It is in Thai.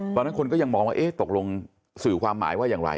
ตอนนั้นคนก็ยังมองว่าเอ๊ะตกลงสื่อความหมายว่าอย่างไร